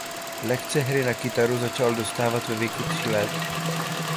Lekce hry na kytaru začal dostávat ve věku tří let.